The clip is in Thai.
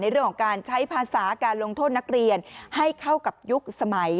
เรื่องของการใช้ภาษาการลงโทษนักเรียนให้เข้ากับยุคสมัย